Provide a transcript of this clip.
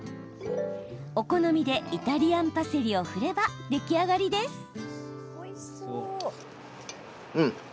お好みでイタリアンパセリを振れば、出来上がりです。